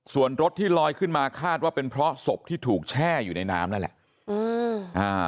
ส่วนรถที่ลอยขึ้นมาคาดว่าเป็นเพราะศพที่ถูกแช่อยู่ในน้ำนั่นแหละอืมอ่า